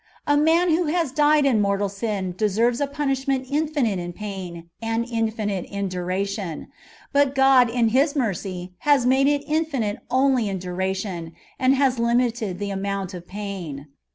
A man who has died in mortai sin deserves a punishment infinite in pain and infinite in duration ; but God in His mercy has made it infinite only in durafion, and has limit ed the amount of pain.